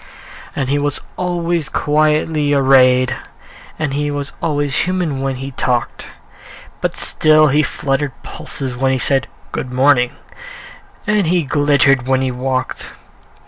And he was always quietly arrayed, And he was always human when he talked; But still he fluttered pulses when he said, "Good morning," and he glittered when he walked.